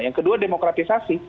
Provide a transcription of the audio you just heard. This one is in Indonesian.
yang kedua demokratisasi